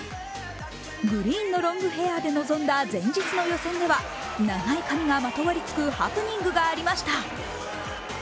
グリーンのロングヘアで臨んだ前日の予選では長い髪がまとわりつくハプニングがありました。